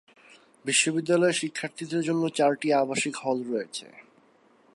বিশ্ববিদ্যালয়ে শিক্ষার্থীদের জন্য চারটি আবাসিক হল রয়েছে।